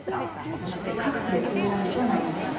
そして各地で大雨となりました。